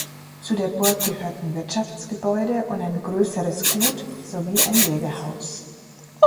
Zu der Burg gehörten Wirtschaftsgebäude und ein größeres Gut sowie ein Jägerhaus.